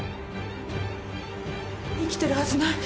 生きてるはずない。